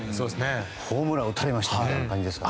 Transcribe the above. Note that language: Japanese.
ホームラン打たれましたみたいな感じですもんね。